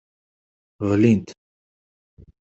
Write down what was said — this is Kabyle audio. Ɣlint.